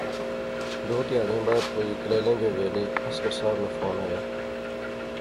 ددو تہاڑیاں بعد کوئی کلیلیں جے ویلے اصغر صاحب ناں فوں آیا